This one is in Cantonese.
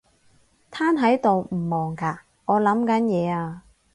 癱喺度唔忙㗎？我諗緊嘢呀